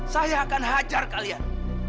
saya akan hajar kalian